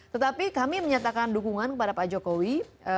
tetapi kami menyatakan dukungan kepada pak jokowi